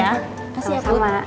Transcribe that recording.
kasih ya put